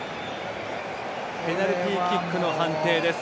ペナルティーキックの判定です。